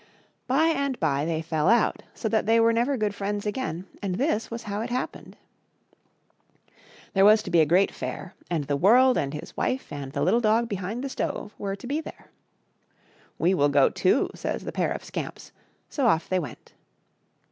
By and by they fell out, so that they were never good friends again, and this was how it happened. There was to be a great fair, and the world and his wife and the little dog behind the stove were to be there. " We will go too," says the pair of scamps ; so off they went.